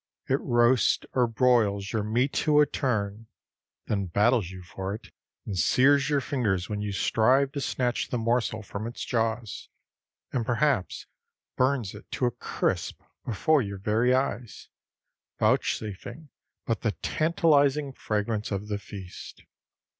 It roasts or broils your meat to a turn, then battles with you for it and sears your fingers when you strive to snatch the morsel from its jaws, and perhaps burns it to a crisp before your very eyes, vouchsafing but the tantalizing fragrance of the feast.